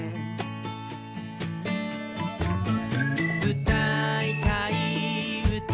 「うたいたいうた」